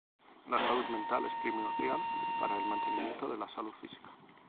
La salud mental es primordial para el mantenimiento de la salud física